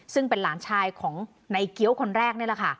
ซึ่งเป็นหลานชายของในเกี้ยวคนแรกนี่แหละค่ะ